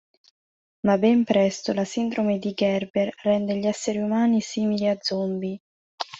Ma ben presto la sindrome di Gerber rende gli esseri umani simili a zombie.